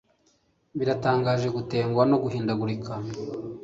Biratangaje gutenguha no guhindagurika